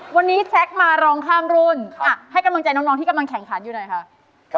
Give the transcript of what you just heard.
วันนี้แซ็กมาลองข้ามรุนให้กำลังใจน้องที่แข่งขันอยู่ในคะ